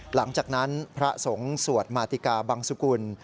หลังจากนั้นพระสงฆ์สวดมาติกาบังสุกุล